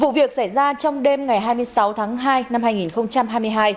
vụ việc xảy ra trong đêm ngày hai mươi sáu tháng hai năm hai nghìn hai mươi hai